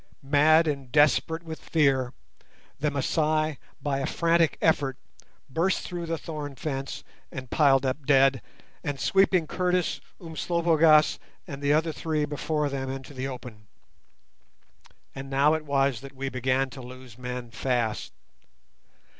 Mad and desperate with fear, the Masai by a frantic effort burst through the thorn fence and piled up dead, and, sweeping Curtis, Umslopogaas, and the other three before them, into the open. And now it was that we began to lose men fast.